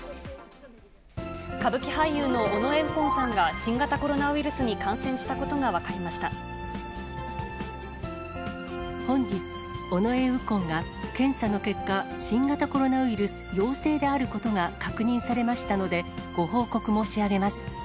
歌舞伎俳優の尾上右近さんが、新型コロナウイルスに感染したこ本日、尾上右近が検査の結果、新型コロナウイルス陽性であることが確認されましたので、ご報告申し上げます。